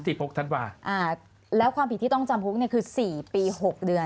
๑๖ธันวาแล้วความผิดที่ต้องจำคุกคือ๔ปี๖เดือน